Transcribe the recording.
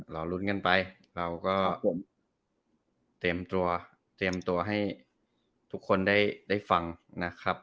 รอลุ้นกันไปเราก็เตรียมตัวเตรียมตัวให้ทุกคนได้ฟังนะครับ